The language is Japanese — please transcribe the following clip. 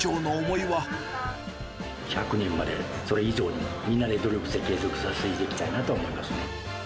１００年まで、それ以上にみんなで努力して継続していきたいなと思います。